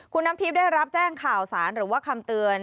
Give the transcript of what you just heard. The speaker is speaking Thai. คุณน้ำทิพย์ได้รับแจ้งข่าวสารหรือว่าคำเตือน